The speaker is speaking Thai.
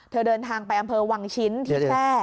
เดินทางไปอำเภอวังชิ้นที่แทร่